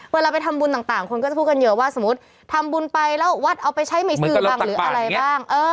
เวลาไปทำบุญต่างคนก็จะพูดกันเยอะว่าสมมุติทำบุญไปแล้ววัดเอาไปใช้ไม่ซื้อบ้างหรืออะไรบ้าง